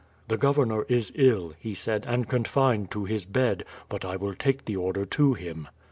"The governor is ill," he said, "and confined to his bed; but I will take the order to him."